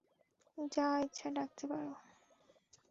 যা ইচ্ছা ডাকতে পারো।